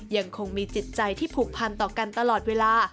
ยังคงมีจิตใจที่ผูกพันต่อกันตลอดเวลา